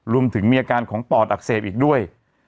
รวมถึงมีอาการของปอดอักเสบอีกด้วย